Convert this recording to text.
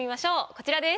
こちらです。